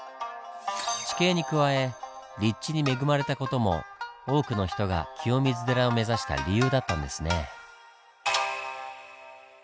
地形に加え立地に恵まれた事も多くの人が清水寺を目指した理由だったんですね。